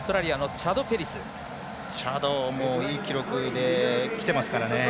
チャドもいい記録できていますからね。